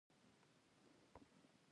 د انسان هډوکي د بدن جوړښت ساتي.